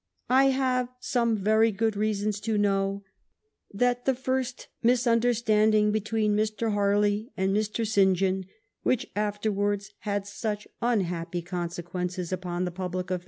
" I have some very good reasons to know that the first misunderstanding between Mr. Harley and Mr. St. John, which afterwards had such unhappy conse quences upon the public a.